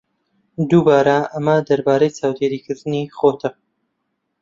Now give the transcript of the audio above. دووبارە، ئەمە دەربارەی چاودێریکردنی خۆتە.